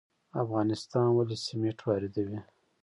افغانستان ولې سمنټ واردوي؟